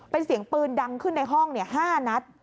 เป็นเสียงปืนดังขึ้นในห้อง๕นัด